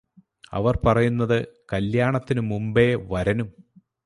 അവർ പറയുന്നത് കല്യാണത്തിനു മുമ്പേ വരനും